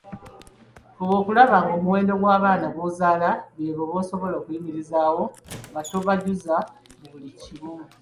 Fuba okulaba ng'omuwendo gw’abaana gw’ozaaala beebo b’osobola okuyimirizaawo nga tobajuza mu buli kimu.